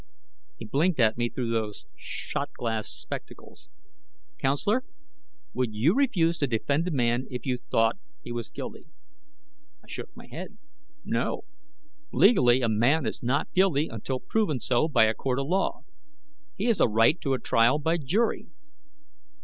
He blinked at me through those shot glass spectacles. "Counselor, would you refuse to defend a man if you thought he was guilty?" I shook my head. "No. Legally, a man is not guilty until proven so by a court of law. He has a right to trial by jury.